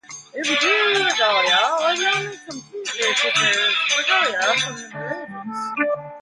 The Imperial Regalia are the only completely preserved regalia from the Middle Ages.